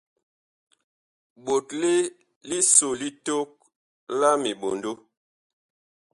Ɓotle liso li tok la miɓondo.